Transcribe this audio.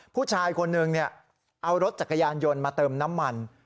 ผู้ชายคนหนึ่งเอารถจักรยานยนต์มาเติมน้ำมัน